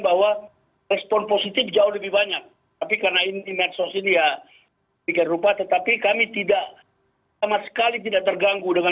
bahwa respon positif jauh lebih banyak tapi karena ini medsos ini ya bikin rupa tetapi kami tidak sama sekali tidak terganggu dengan